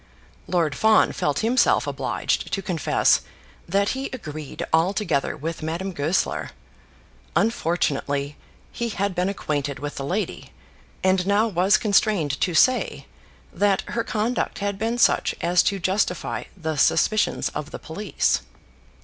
Lord Fawn felt himself obliged to confess that he agreed altogether with Madame Goesler. Unfortunately, he had been acquainted with the lady, and now was constrained to say that her conduct had been such as to justify the suspicions of the police.